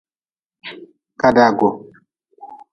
Kadagu.